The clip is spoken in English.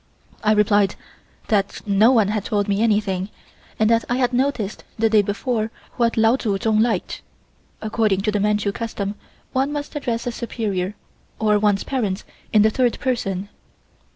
I replied that no one had told me anything and that I had noticed the day before what Lao Tsu Tsung liked (according to the Manchu custom one must address a superior or one's parents in the third person).